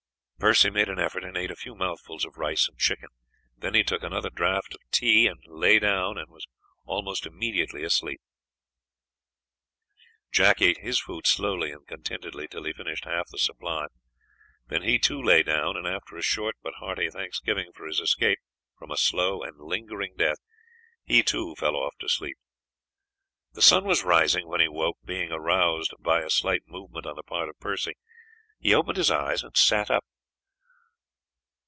Percy made an effort and ate a few mouthfuls of rice and chicken, then he took another draught of tea, and lay down, and was almost immediately asleep. Jack ate his food slowly and contentedly till he finished half the supply, then he, too, lay down, and after a short but hearty thanksgiving for his escape from a slow and lingering death, he too, fell off to sleep. The sun was rising when he woke, being aroused by a slight movement on the part of Percy; he opened his eyes and sat up.